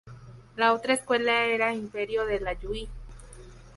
La otra escuela era Imperio del Ayuí.